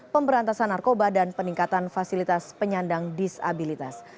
pemberantasan narkoba dan peningkatan fasilitas penyandang disabilitas